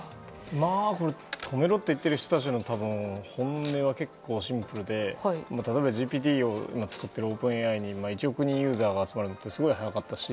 まあ、止めろと言っている人たちの本音は、結構シンプルで例えばＧＰＴを使っているオープンＡＩに１億人ユーザーが集まるのがすごく早かったし。